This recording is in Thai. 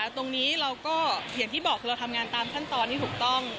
ตรงนี้เราก็อย่างที่บอกคือเราทำงานตามขั้นตอนที่ถูกต้อง